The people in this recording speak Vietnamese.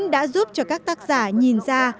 đã giúp cho các tác giả nhìn ra